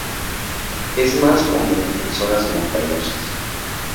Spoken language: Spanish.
Es más común en zonas montañosas.